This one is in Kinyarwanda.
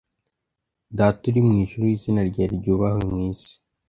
Data uri mu ijuru izina ryawe ryubahwe mwisi